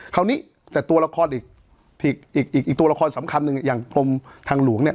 คราวนี้แต่ตัวละครอีกอีกตัวละครสำคัญหนึ่งอย่างกรมทางหลวงเนี่ย